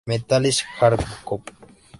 Metalist Járkov.